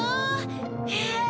へえ。